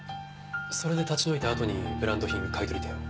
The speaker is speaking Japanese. それで立ち退いたあとにブランド品の買取店を？